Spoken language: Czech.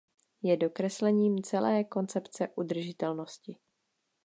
Je dokreslením celé koncepce udržitelnosti.